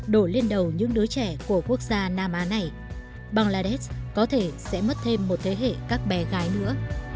đổ lên đầu những đứa trẻ của quốc gia nam á này bangladesh có thể sẽ mất thêm một thế hệ các bé gái nữa